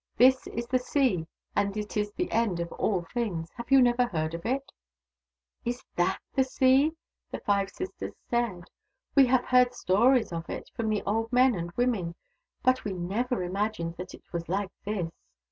This is the vSea, and it is the end of all things. Have you never heard of it ?"" Is /^a/ the Sea ?" The five sisters stared. "We have heard stories of it from the old men and women, but we never imagined that it was like this.